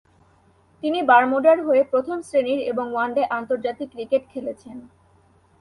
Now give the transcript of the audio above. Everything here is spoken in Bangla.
তিনি বারমুডার হয়ে প্রথম শ্রেণির এবং ওয়ানডে আন্তর্জাতিক ক্রিকেট খেলেছেন।